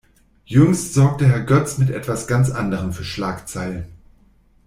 Jüngst sorgte Herr Götz mit etwas ganz anderem für Schlagzeilen.